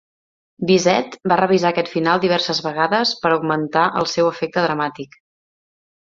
Bizet va revisar aquest final diverses vegades per augmentar el seu efecte dramàtic.